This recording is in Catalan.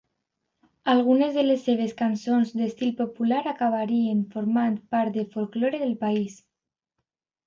Algunes de les seves cançons d’estil popular acabarien formant part del folklore del país.